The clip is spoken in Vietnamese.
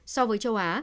so với châu á